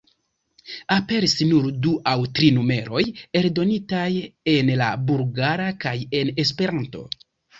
Aperis nur du aŭ tri numeroj eldonitaj en la Bulgara kaj en Esperanto.